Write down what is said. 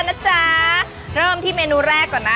นะจ๊ะเริ่มที่เมนูแรกก่อนนะ